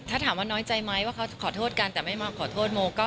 ถ้าถามว่าน้อยใจไหมว่าเขาขอโทษกันแต่ไม่มาขอโทษโมก็